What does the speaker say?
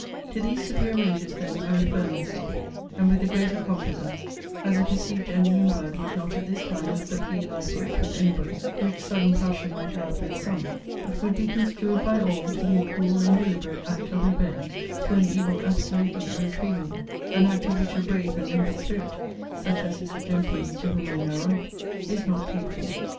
To these SUPERIOR MOTIVES then I refer myself: and with the greater confidence; as a pursuit ending in blood would not, at this time, have the plea lie for it with any body, which sudden passion might have with some: but would be construed by all to be a cool and deliberate act of revenge for an evil absolutely irretrievable: an act of which a brave and noble spirit (such as is the gentleman's to whom I now write) is not capable.